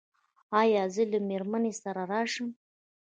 ایا زه له میرمنې سره راشم؟